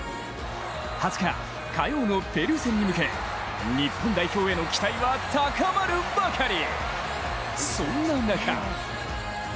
２０日、火曜のペルー戦に向け日本代表への期待は高まるばかり！